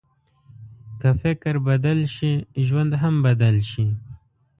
که فکر بدل شي، ژوند هم بدل شي.